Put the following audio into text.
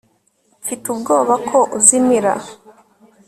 Mfite ubwoba ko uzimira